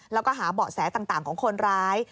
แล้วก็หาเบาะแสต่างของคนร้าย